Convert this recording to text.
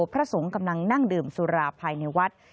พระสงฆ์กำลังนั่งดื่มสุราภายในวัด